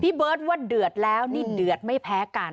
เบิร์ตว่าเดือดแล้วนี่เดือดไม่แพ้กัน